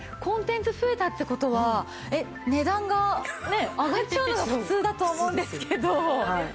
コンテンツ増えたって事は値段がね上がっちゃうのが普通だと思うんですけど。